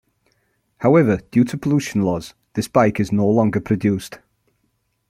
However, due to pollution laws, this bike is no longer produced.